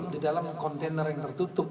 di dalam kontainer yang tertutup